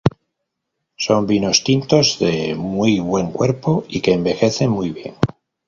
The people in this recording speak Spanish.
Son vinos tintos de muy buen cuerpo y que envejecen muy bien.